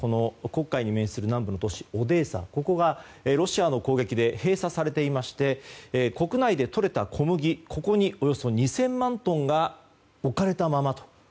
黒海に面する南部の都市オデーサがロシアの攻撃で閉鎖されていまして国内でとれた小麦ここにおよそ２０００万トンが置かれたまま。